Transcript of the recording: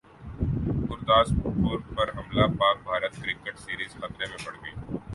گورداسپور پر حملہ Pak Bharat cricket series خطرے میں پڑگئی